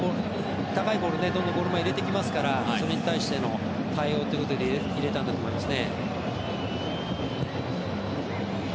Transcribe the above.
高いボールをどんどんゴール前に入れてくるのでそれに対しての対応ということで入れたんだと思います。